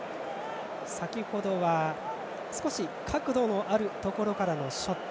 先程は少し角度のあるところからのショット。